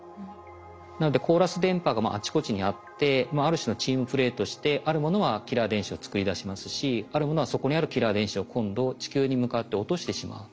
なのでコーラス電波があちこちにあってある種のチームプレーとしてあるものはキラー電子を作り出しますしあるものはそこにあるキラー電子を今度地球に向かって落としてしまう。